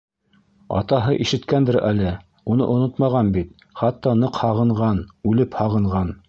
Атаһы ишеткәндер әле, уны онотмаған бит, хатта ныҡ һағынған, үлеп һағынған.